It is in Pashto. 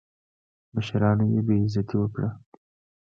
مشرانو یې بېعزتي وکړه.